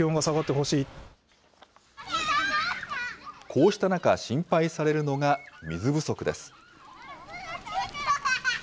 こうした中、心配されるのが水不足です。